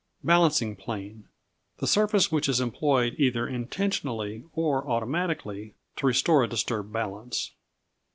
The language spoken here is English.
Balancing Plane The surface which is employed either intentionally, or automatically, to restore a disturbed balance.